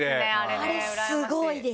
あれスゴいです。